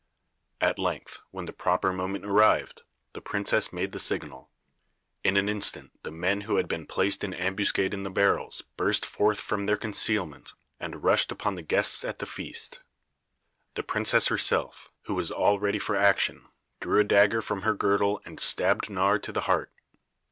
At length, when the proper moment arrived, the princess made the signal. In an instant the men who had been placed in ambuscade in the barrels burst forth from their concealment and rushed upon the guests at the feast. The princess herself, who was all ready for action, drew a dagger from her girdle and stabbed Nawr to the heart.